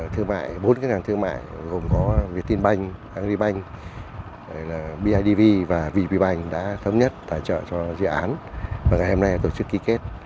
thương mại bốn ngân hàng thương mại gồm có việt tinh banh anh li banh bidv và vb banh đã thống nhất tài trợ cho dự án và ngày hôm nay tổ chức ký kết